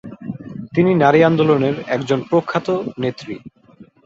তিনি নারী আন্দোলনের একজন প্রখ্যাত নেত্রী।